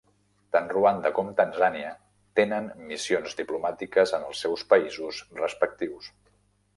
Tant Ruanda com Tanzània tenen missions diplomàtiques en els seus països respectius.